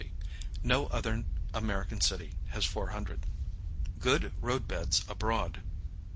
No other American city has 400. Good Road Beds Abroad.